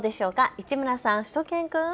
市村さん、しゅと犬くん。